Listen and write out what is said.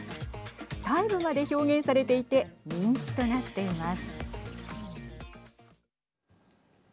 細部まで表現されていて人気となっています。